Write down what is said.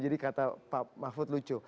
jadi kata pak mahfud lucu